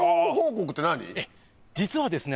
実はですね